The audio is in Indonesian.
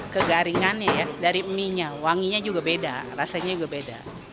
kegaringannya ya dari mie nya wanginya juga beda rasanya juga beda